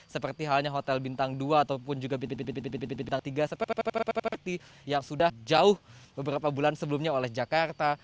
seperti halnya hotel bintang dua ataupun juga bintang tiga seperti yang sudah jauh beberapa bulan sebelumnya oleh jakarta